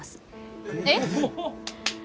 えっ！？